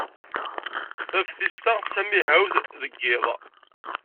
Taftist-a d tamihawt deg yiḍ.